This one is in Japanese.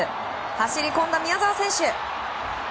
走りこんだ宮澤選手！